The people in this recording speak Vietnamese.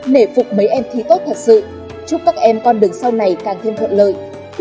nể phục mấy em thi tốt thật sự chúc các em con đường sau này càng thêm thuận lợi